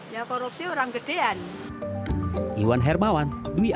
ya korupsi orang gedean